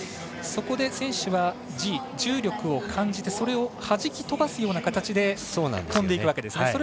そこで選手はＧ重力を感じてそれをはじき飛ばすような形で飛んでいくわけですね。